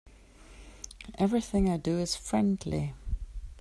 Everything I do is friendly.